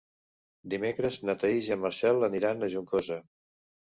Dimecres na Thaís i en Marcel aniran a Juncosa.